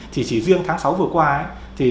thì chỉ riêng tháng sáu vừa qua ấy